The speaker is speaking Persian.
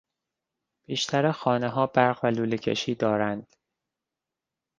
بیشتر خانهها برق و لوله کشی دارند.